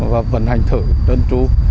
và vận hành thử đơn tru